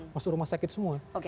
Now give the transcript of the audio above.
masuk rumah sakit semua